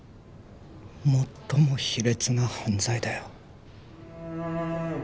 最も卑劣な犯罪だよ